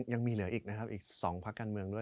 ยังมีเหลืออีกนะครับอีก๒พักการเมืองด้วย